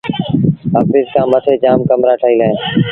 آڦيٚس کآݩ مٿي جآم ڪمرآ ٺهيٚل اوهيݩ